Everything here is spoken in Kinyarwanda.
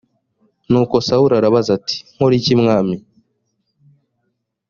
nuko sawuli arabaza ati “nkore iki mwami?”